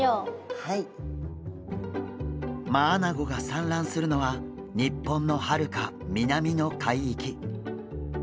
マアナゴが産卵するのは日本のはるか南の海域。